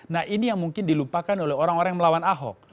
nah ini yang mungkin dilupakan oleh orang orang yang melawan ahok